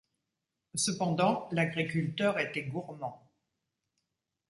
Cependant, l'agriculteur était gourmand.